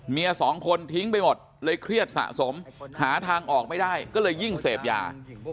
เมียสองคนทิ้งไปหมดเลยเครียดสะสมหาทางออกไม่ได้ก็เลยยิ่งเสพยา